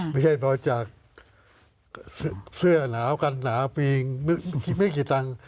ไม่ใช่บริจาคเสื้อหนาวกันหนาวปีไม่กี่ตังค์